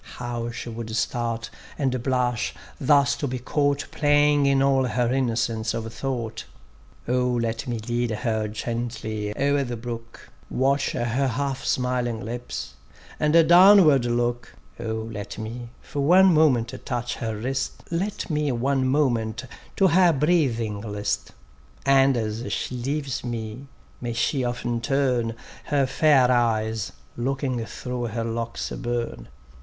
How she would start, and blush, thus to be caught Playing in all her innocence of thought. O let me lead her gently o'er the brook, Watch her half smiling lips, and downward look; O let me for one moment touch her wrist; Let me one moment to her breathing list; And as she leaves me may she often turn Her fair eyes looking through her locks aub├╣rne.